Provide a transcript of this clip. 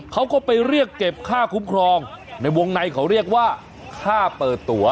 เขาก็ไปเรียกเก็บค่าคุ้มครองในวงในเขาเรียกว่าค่าเปิดตัว